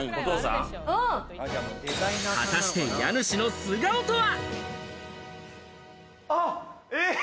果たして家主の素顔とは？